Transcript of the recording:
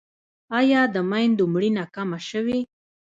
آیا د میندو مړینه کمه شوې؟